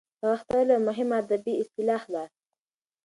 رغښتواله یوه مهمه ادبي اصطلاح ده.